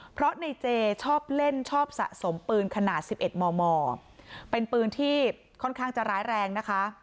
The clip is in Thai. เพราะในเจชอบเล่นชอบสะสมปืนขนาด๑๑มมเป็นปืนที่ค่อนข้างจะร้ายแรงนะคะ